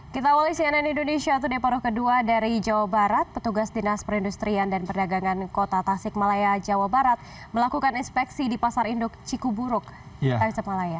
kita awali cnn indonesia today paruh kedua dari jawa barat petugas dinas perindustrian dan perdagangan kota tasik malaya jawa barat melakukan inspeksi di pasar induk cikuburuk tasikmalaya